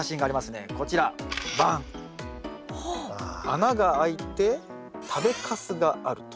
穴が開いて食べかすがあると。